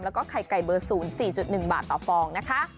แล้วก็ไข่ไก่เบอร์๐๔๑บาทต่อฟองนะคะ